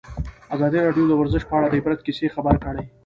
ازادي راډیو د ورزش په اړه د عبرت کیسې خبر کړي.